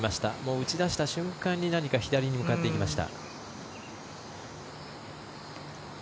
打ち出した瞬間に左に向かっていきました。